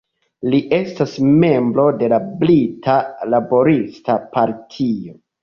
Li estas membro de la Brita Laborista Partio.